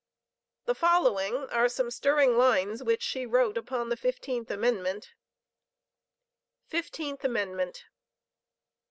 The following are some stirring lines which she wrote upon the Fifteenth Amendment: FIFTEENTH AMENDMENT.